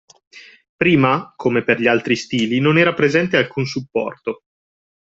Prima, come per gli altri stili, non era presente alcun supporto